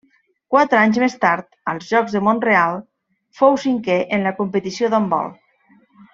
Quatre anys més tard, als Jocs de Mont-real, fou cinquè en la competició d'handbol.